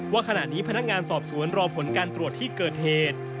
ว่าขณะนี้พนักงานสอบสวนรอผลการตรวจที่เกิดเหตุ